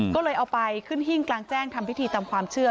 ก็เลยเอาไปขึ้นหิ้งกลางแจ้งทำพิธีตามความเชื่อ